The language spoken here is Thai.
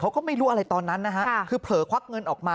เขาก็ไม่รู้อะไรตอนนั้นนะฮะคือเผลอควักเงินออกมา